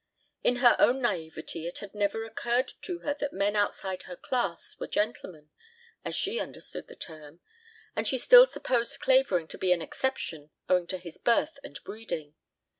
In her own naïveté it had never occurred to her that men outside her class were gentlemen as she understood the term, and she still supposed Clavering to be exceptional owing to his birth and breeding.